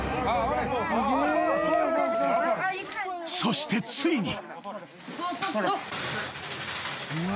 ［そしてついに］